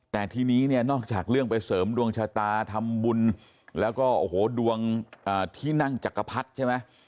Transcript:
แต่ทีนี้เนี่ยนอกจากเรื่องไปเสริมดวงชะตาทำบุญแล้วก็โอ้โหดวงที่นั่งจักรพรรดิใช่ไหม